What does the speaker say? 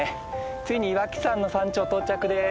ついに岩木山の山頂到着です。